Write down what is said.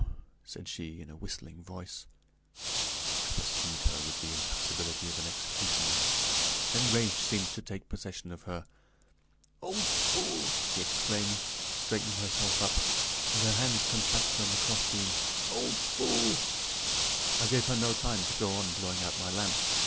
said she, in a whistling voice. I pursued her with the impassability of an executioner. Then rage seemed to take possession of her. "Old fool!" she exclaimed, straightening herself up, and her hands contracted on the crossbeam. "Old fool!" I gave her no time to go on blowing out my lamp.